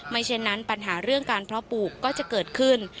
เช่นนั้นปัญหาเรื่องการเพาะปลูกก็จะเกิดขึ้น